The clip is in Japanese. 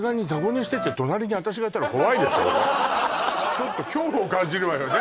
ちょっと恐怖を感じるわよね